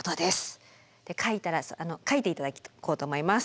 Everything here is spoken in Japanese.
書いたら書いて頂こうと思います。